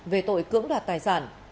về tội cưỡng đoạt tài sản